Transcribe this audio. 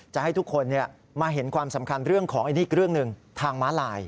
จะให้ทุกคนมาเห็นความสำคัญเรื่องของคือม้าลาย